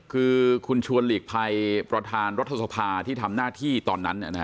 คือคุณชวนหลีกภัยประธานรัฐสภาที่ทำหน้าที่ตอนนั้น